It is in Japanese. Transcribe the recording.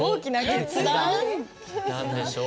何でしょう？